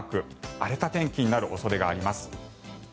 荒れた天気になる恐れがあります。